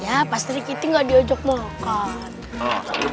ya pak sri kitty gak diajak makan